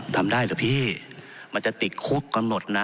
ทำได้เหรอพี่มันจะติดคุกกำหนดนะ